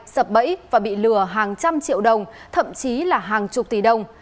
sập bẫy và bị lừa hàng trăm triệu đồng thậm chí là hàng chục tỷ đồng